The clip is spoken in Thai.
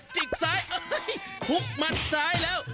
จิกซ้ายหุบหมัดซ้ายแล้ว